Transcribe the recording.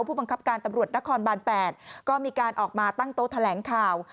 ผู้บังคับการตำรวจนครบาน๘ก็มีการออกมาตั้งโต๊ะแถลงข่าว